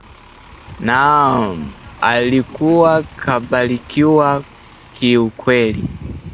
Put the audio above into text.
Naam alikuwa kabarikiwa kiukweli